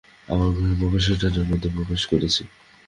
আমরা গ্রহের মহাকর্ষীয় টানের মধ্যে প্রবেশ করেছি।